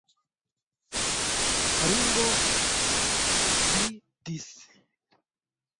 Ringo ekridis.